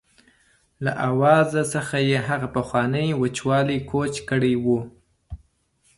له آواز څخه یې هغه پخوانی وچوالی کوچ کړی و.